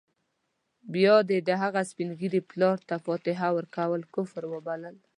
بيا دې د هغه سپین ږیري پلار ته فاتحه ورکول کفر وبلل.